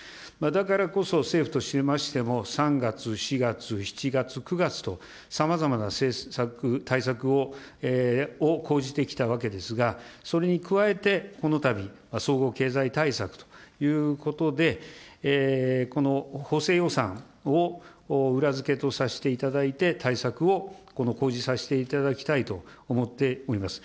だからこそ政府としましても、３月、４月、７月、９月と、さまざまな政策、対策を講じてきたわけですが、それに加えて、このたび総合経済対策ということで、この補正予算を裏付けとさせていただいて、対策をこの講じさせていただきたいと思っております。